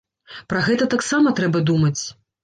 Пра гэта таксама трэба думаць.